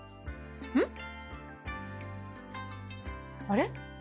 あれ？